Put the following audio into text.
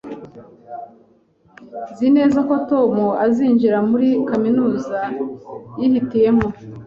Nzi neza ko Tom azinjira muri kaminuza yihitiyemo